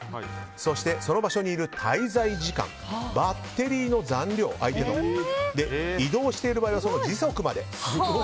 そして、その場所にいる滞在時間相手のバッテリーの残量移動している場合はその時速まで。